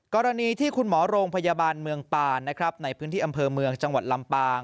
กรณีที่คุณหมอโรงพยาบาลเมืองปานนะครับในพื้นที่อำเภอเมืองจังหวัดลำปาง